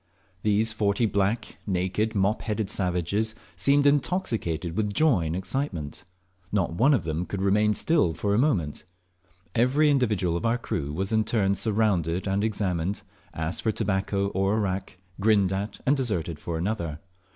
These forty black, naked, mop headed savages seemed intoxicated with joy and excitement. Not one of them could remain still for a moment. Every individual of our crew was in turn surrounded and examined, asked for tobacco or arrack, grinned at and deserted for another.